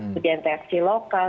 kemudian reaksi lokal